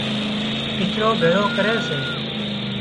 ڪچرو ڀيۯو ڪري سي